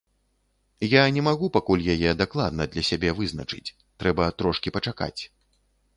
Я не магу пакуль яе дакладна для сябе вызначыць, трэба трошкі пачакаць.